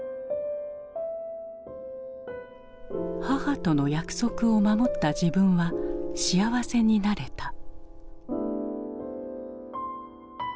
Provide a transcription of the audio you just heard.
母との約束を守った自分は幸せになれた。